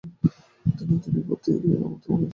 আমি শুধু তোমাকেই চাই।